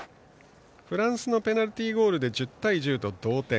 フランスのペナルティーゴールで１０対１０と同点。